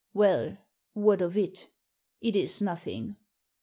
" Well, what of it ? It is nothing."